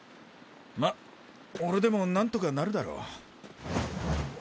まっ俺でもなんとかなるだろう。